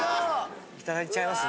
いただいちゃいますね。